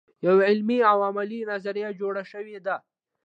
یوه علمي او عملي نظریه جوړه شوې ده.